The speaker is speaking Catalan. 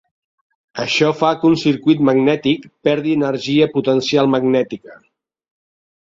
Això fa que un circuit magnètic perdi energia potencial magnètica.